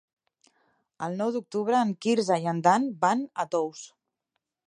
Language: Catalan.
El nou d'octubre en Quirze i en Dan van a Tous.